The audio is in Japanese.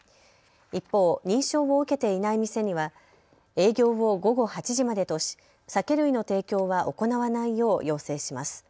一方、認証を設けていない店には営業を午後８時までとし、酒類の提供は行わないよう要請します。